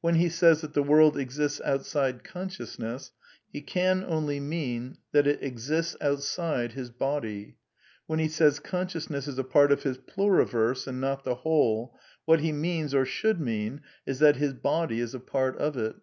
When he says that the world exists outside consciousness, he can only mean that it exists outside his body. When he says consciousness is a part of his pluriverse and not the whole, what he means, or should mean, is that his body is a part of it.